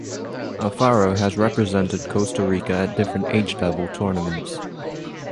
Alfaro has represented Costa Rica at different age level tournaments.